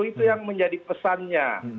itu yang menjadi pesannya